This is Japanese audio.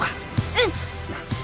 うん。